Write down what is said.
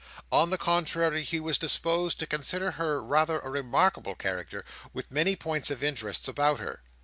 On the contrary, he was disposed to consider her rather a remarkable character, with many points of interest about her.